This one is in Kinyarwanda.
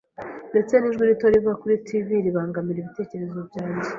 Ndetse n'ijwi rito riva kuri TV ribangamira ibitekerezo byanjye.